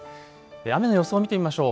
雨の予想、見てみましょう。